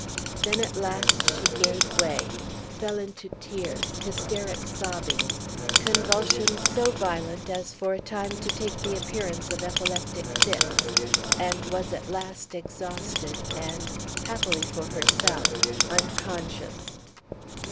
Then at last she gave way, fell into tears, hysteric sobbings, convulsions so violent as for a time to take the appearance of epileptic fits, and was at last exhausted and, happily for herself, unconscious.